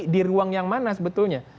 di ruang yang mana sebetulnya